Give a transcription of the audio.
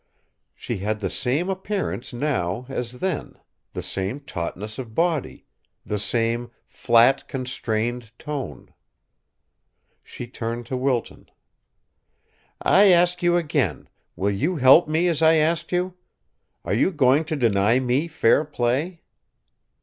She had the same appearance now as then, the same tautness of body, the same flat, constrained tone. She turned to Wilton: "I ask you again, will you help me as I asked you? Are you going to deny me fair play?"